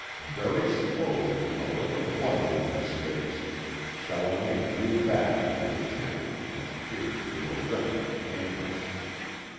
Very slowly, a look of wonder in his face, Challoner drew back into the tent and peered through a rent in the canvas.